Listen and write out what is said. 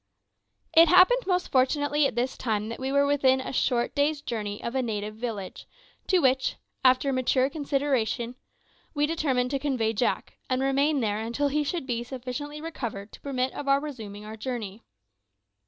It happened most fortunately at this time that we were within a short day's journey of a native village, to which, after mature consideration, we determined to convey Jack, and remain there until he should be sufficiently recovered to permit of our resuming our journey.